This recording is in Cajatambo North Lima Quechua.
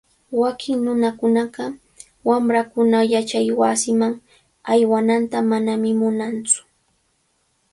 Wakin nunakunaqa wamrankuna yachaywasiman aywananta manami munantsu.